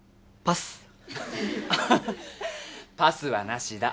パスはなしだ。